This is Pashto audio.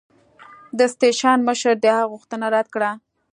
د سټېشن مشر د هغه غوښتنه رد کړه.